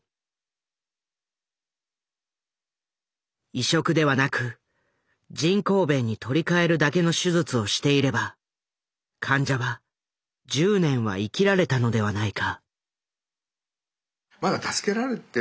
移植ではなく人工弁に取り換えるだけの手術をしていれば患者は１０年は生きられたのではないか。